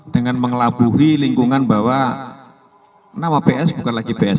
dengan mengelabuhi lingkungan bahwa nama ps bukan lagi pss